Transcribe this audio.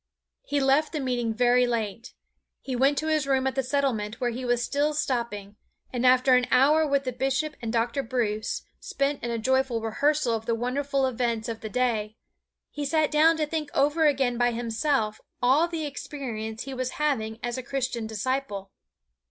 He left the meeting very late. He went to his room at the Settlement where he was still stopping, and after an hour with the Bishop and Dr. Bruce, spent in a joyful rehearsal of the wonderful events of the day, he sat down to think over again by himself all the experience he was having as a Christian disciple.